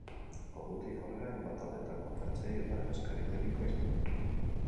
Ordutik aurrera hainbat taldeetako entrenatzaile eta idazkari teknikoa izan da.